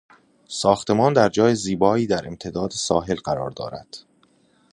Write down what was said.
ساختمان در جای زیبایی در امتداد ساحل قرار دارد.